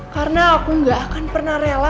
karena aku gak akan pernah rela